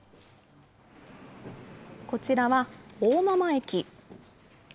こちらは大間々駅。